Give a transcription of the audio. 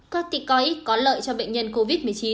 các tịch có ích có lợi cho bệnh nhân covid một mươi chín